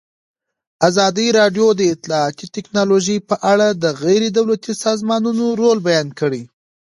ازادي راډیو د اطلاعاتی تکنالوژي په اړه د غیر دولتي سازمانونو رول بیان کړی.